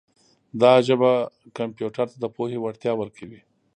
دا ژبه کمپیوټر ته د پوهې وړتیا ورکوي.